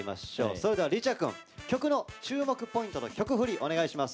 それではリチャくん曲の注目ポイントの曲振りお願いします。